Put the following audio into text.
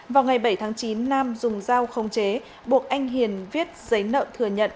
vào ngày bảy tháng chín nam dùng giao không chế buộc anh hiền viết giấy nợ thừa nhận